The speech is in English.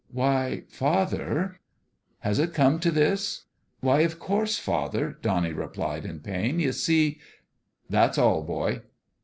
"Why, father " "Has it come to this?" " Why, of course, father !" Donnie replied, in pain. "You see " "That's all, boy."